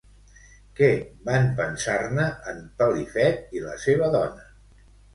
Què van pensar-ne en Pelifet i la seva dona?